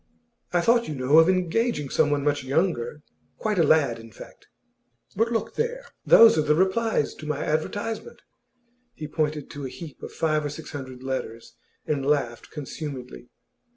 'I thought, you know, of engaging someone much younger quite a lad, in fact. But look there! Those are the replies to my advertisement.' He pointed to a heap of five or six hundred letters, and laughed consumedly.